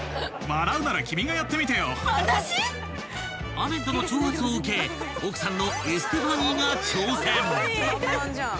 ［アメッドの挑発を受け奥さんのエステファニーが挑戦］